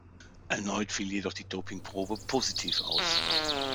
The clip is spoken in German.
Erneut fiel jedoch die Dopingprobe positiv aus.